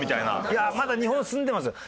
「いやまだ日本住んでますよ」。